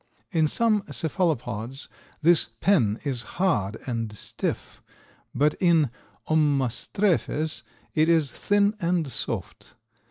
In some cephalopods this pen is hard and stiff but in Ommastrephes it is thin and soft.